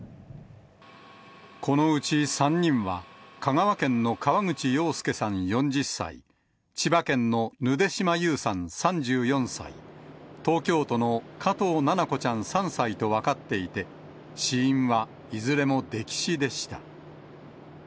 このうち３人は、香川県の河口洋介さん４０歳、千葉県のぬで島優さん３４歳、東京都の加藤七菜子ちゃん３歳と分かっていて、死因はいずれも溺死でした。